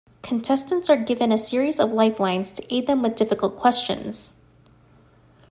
Contestants are given a series of lifelines to aid them with difficult questions.